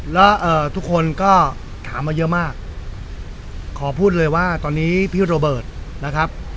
แล้วทุกคนก็ถามมาเยอะมากขอพูดเลยว่าตอนนี้พี่โรเบิร์ตนะครับ